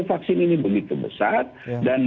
vaksin ini begitu besar dan